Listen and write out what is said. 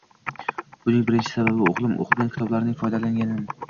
buning birinchi sababi o'g'lim o'qigan kitoblardan foydalanganim